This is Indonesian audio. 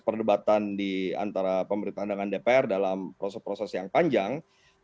perdebatan di antara pemerintah dengan dpr dalam proses proses yang panjang